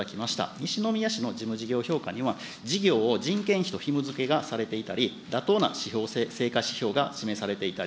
西宮市の事務事業評価票には、事業を人件費とひもづけがされていたり、妥当な成果指標が示されていたり、